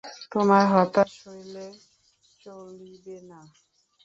তোমার হতাশ হইলে চলিবে না।